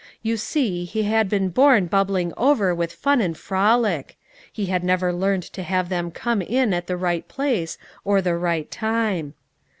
You see he had been born bubbling over with fun and frolic; he had never learned to have them come in at the right place or the right time.